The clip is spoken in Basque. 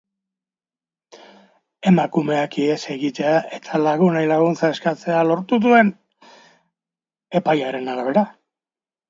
Emakumeak ihes egitea eta lagunei laguntza eskatzea lortu zuen, epaiaren arabera.